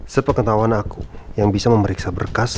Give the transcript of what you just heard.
seperti pengetahuan aku yang bisa memeriksa berkas